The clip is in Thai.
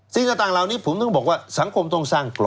สิ่งต่างเหล่านี้ผมถึงบอกว่าสังคมต้องสร้างกลุ่ม